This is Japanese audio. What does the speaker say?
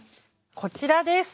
こちらです！